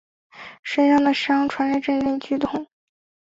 身上的伤传来阵阵剧痛